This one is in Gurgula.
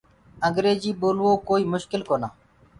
انٚگريجيٚ ٻولوو ڪوئيٚ مُشڪل ڪونآ